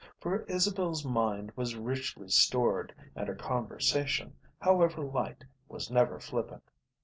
For Isabel's mind was richly stored, and her conversation, however light, was never flippant.